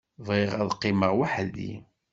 Bɣiɣ ad qqimeɣ weḥd-i.